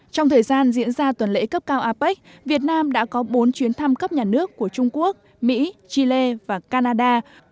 trong thời gian diễn ra tuần lễ cấp cao apec việt nam đã có bốn chuyến thăm cấp nhà nước của trung quốc mỹ chile và canada